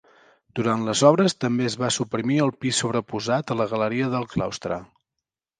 Durant les obres també es va suprimir el pis sobreposat a la galeria del claustre.